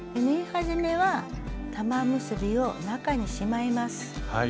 縫い始めは玉結びを中にしまいます。